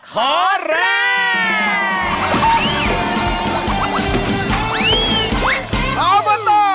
ขอแรง